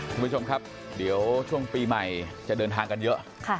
คุณผู้ชมครับเดี๋ยวช่วงปีใหม่จะเดินทางกันเยอะ